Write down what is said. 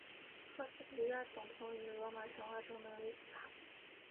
赫斯提亚等同于罗马神话中的维斯塔。